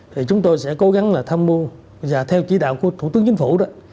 thì chúng tôi sẽ cố gắng là tham mưu và theo chỉ đạo của thủ tướng chính phủ đó